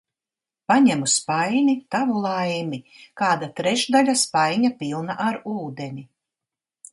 Paņemu spaini, tavu laimi, kāda trešdaļa spaiņa pilna ar ūdeni.